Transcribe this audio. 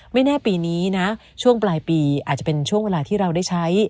ไม่แน่ปีนี้นะช่วงปลายปีอาจจะเป็นช่วงเวลาที่เราได้ใช้